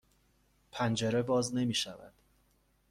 پنجره باز نمی شود.